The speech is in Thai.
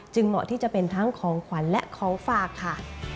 เหมาะที่จะเป็นทั้งของขวัญและของฝากค่ะ